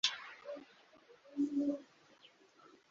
amakuru avuga ko perezida yishwe yarabatangaje